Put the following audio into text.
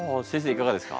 いかがですか？